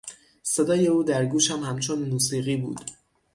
صدای او در گوشم همچون موسیقی بود.